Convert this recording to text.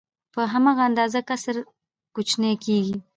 په هماغه اندازه کسر کوچنی کېږي